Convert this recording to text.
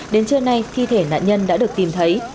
đến trưa nay thi thể nạn nhân đã được tìm thấy